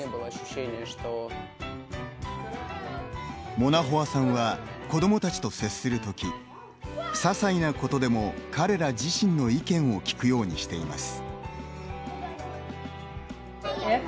モナホワさんは子どもたちと接する時ささいなことでも彼ら自身の意見を聞くようにしています。